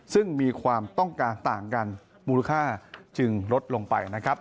ซึ่งมีความต้องการต่างกันมูลค่าจึงลดลงไปนะครับ